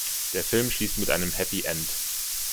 Der Film schließt mit einem Happy End.